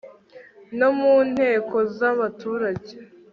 no mu Nteko z Abaturage